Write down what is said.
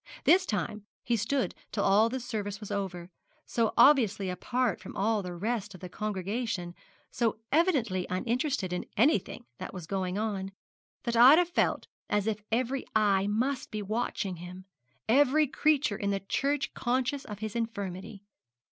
This time he stood till all the service was over, so obviously apart from all the rest of the congregation, so evidently uninterested in anything that was going on, that Ida felt as if every eye must be watching him, every creature in the church conscious of his infirmity.